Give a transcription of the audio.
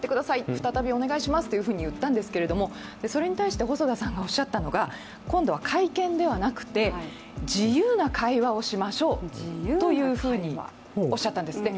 再びお願いしますと言ったんですがそれに対して細田さんがおっしゃったのが今回は会見ではなくて自由な会話をしましょうというふうにおっしゃったんですって。